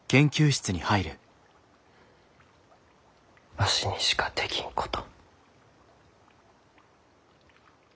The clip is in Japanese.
わしにしかできんこと。